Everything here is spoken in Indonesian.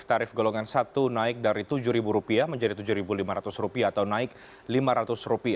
tarif golongan satu naik dari rp tujuh menjadi rp tujuh lima ratus atau naik rp lima ratus